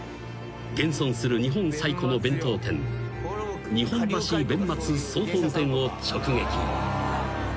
現存する日本最古の弁当店日本橋弁松総本店を直撃］